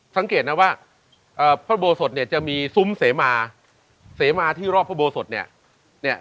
สังเกตนะว่าพระโบสถเนี่ยจะมีซุ้มเสมาเสมาที่รอบพระโบสถเนี่ย